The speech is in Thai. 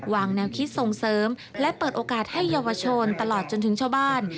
วางแนวคิดส่งเสริมและเปิดโอกาสให้เยาวชนตลอดจนถึงชาวบ้าน